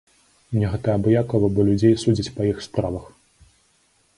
Мне гэта абыякава, бо людзей судзяць па іх справах.